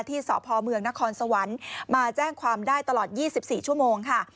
ที่สพเมืองนครสวรรค์มาแจ้งความได้ตลอด๒๔ชั่วโมงค่ะ